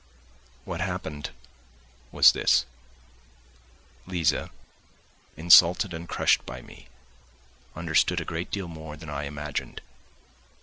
What happened was this: Liza, insulted and crushed by me, understood a great deal more than I imagined.